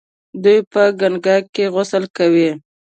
دوی په ګنګا کې غسل کوي.